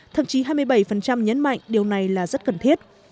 thậm chí hai mươi bảy nhấn mạnh điều này là rất cần thiết